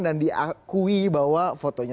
dan diakui bahwa fotonya